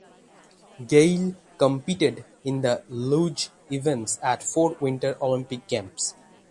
Gaile competed in the luge event at four Winter Olympic Games.